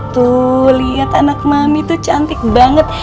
tuh lihat anak mami tuh cantik banget